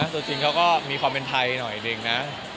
ตัวจริงเค้าก็มีความเป็นไทยหน่อยเนี้ย